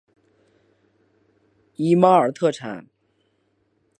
伊玛尔地产。